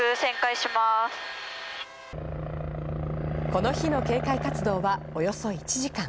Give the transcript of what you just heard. この日の警戒活動はおよそ１時間。